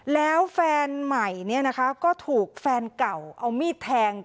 แล้วแฟนใหม่ก็ถูกแฟนเก่าเอามีดแทง